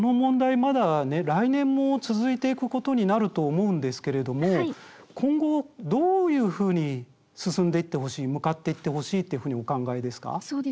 まだ来年も続いていくことになると思うんですけれども今後どういうふうに進んでいってほしい向かっていってほしいというふうにお考えですか？